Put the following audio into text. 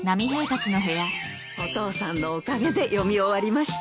お父さんのおかげで読み終わりました。